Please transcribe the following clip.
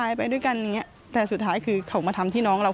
พี่สาวบอกแบบนั้นหลังจากนั้นเลยเตือนน้องตลอดว่าอย่าเข้าใกล้ในพงษ์นะ